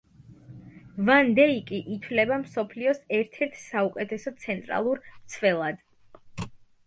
ვან დეიკი ითვლება მსოფლიოს ერთ-ერთ საუკეთესო ცენტრალურ მცველად.